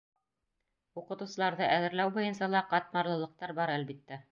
— Уҡытыусыларҙы әҙерләү буйынса ла ҡатмарлылыҡтар бар, әлбиттә.